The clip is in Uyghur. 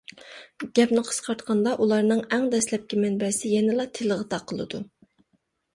گەپنى قىسقارتقاندا، ئۇلارنىڭ ئەڭ دەسلەپكى مەنبەسى يەنىلا تېلىغا تاقىلىدۇ.